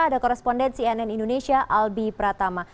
ada korespondensi nn indonesia albi pratama